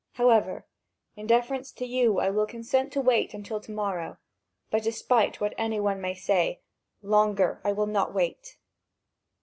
However, in deference to you, I will consent to wait until to morrow; but despite what any one may say, longer I will not wait."